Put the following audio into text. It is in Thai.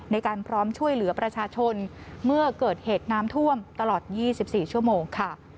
ในการพร้อมช่วยเหลือประชาชนเมื่อเกิดเหตุน้ำท่วมตลอด๒๔ชั่วโมงค่ะ